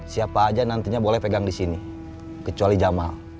siapa aja nantinya boleh pegang di sini kecuali jamal